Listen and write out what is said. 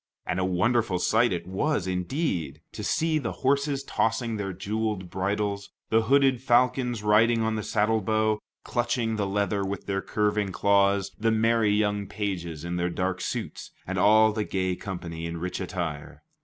And a wonderful sight it was, indeed, to see the horses tossing their jeweled bridles, the hooded falcons riding on the saddlebow, clutching the leather with their curving claws, the merry young pages in their dark suits, and all the gay company in rich attire.